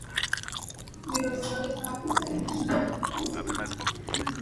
kupumua kikohozi na kuzidisha hali zilizokuwepo kuwa mbaya